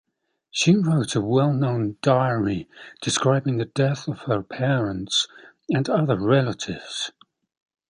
She wrote a well-known diary, describing the death of her parents and other relatives.